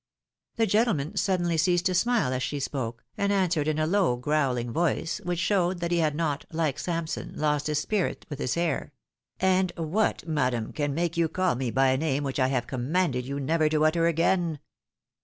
" The gentleman suddenly ceased to smUe as she spoke, and answered in a low growling voice, which showed that he had not, like Samson, lost his spirit with his hair, "And what, madam, can make you call me by a name which I have com manded you never to utter again